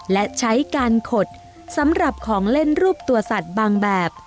และใช้การขดสำหรับของเล่นรูปตัวสัตว์บางแบบ